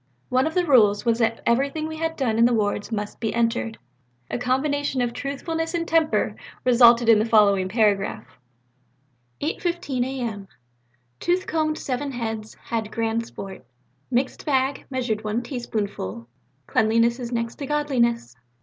One of the rules was that everything we had done in the wards must be entered. A combination of truthfulness and temper resulted in the following paragraph: '8.15 A.M. Tooth combed seven heads, had grand sport; mixed bag, measured one teaspoonful; cleanliness is next to godliness!'